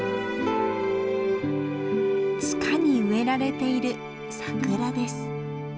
塚に植えられているサクラです。